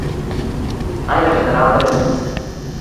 איינע פון דער אַנדערער